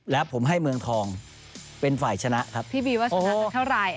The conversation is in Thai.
แล้วผมให้เมืองทองเป็นฝ่ายชนะครับพี่บีว่าชนะไปเท่าไหร่